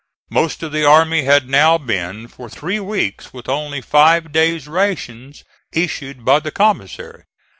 Most of the army had now been for three weeks with only five days' rations issued by the commissary.